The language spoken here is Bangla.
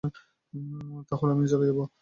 তাহলে আমিও চলে যাব।